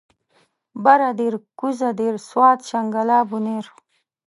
بره دير کوزه دير سوات شانګله بونير